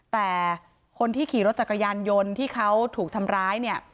แต่คนที่ขี่รถจักรยานยนต์ที่เขาถูกทำร้ายเนี่ย